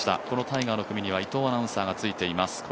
このタイガーの組には伊藤アナウンサーがついています。